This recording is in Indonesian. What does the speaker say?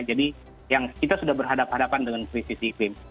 jadi yang kita sudah berhadapan hadapan dengan krisis iklim